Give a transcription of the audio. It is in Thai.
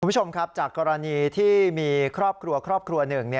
คุณผู้ชมครับจากกรณีที่มีครอบครัวครอบครัวหนึ่ง